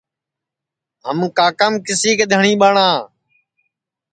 ہم کاکام کسی کے دھٹؔی ٻٹؔا